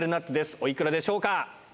おいくらでしょうか。